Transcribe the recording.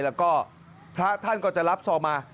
แล้วก็พระท่านก็จะรับซองมา